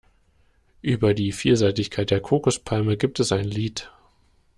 Über die Vielseitigkeit der Kokospalme gibt es ein Lied.